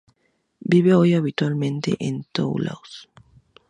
Vive hoy habitualmente en Toulouse.